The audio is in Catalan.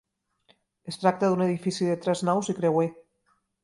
Es tracta d'un edifici de tres naus i creuer.